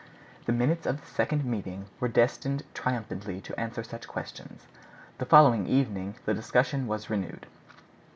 The minutes of the second meeting were destined triumphantly to answer such questions. The following evening the discussion was renewed.